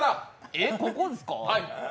え、ここですか？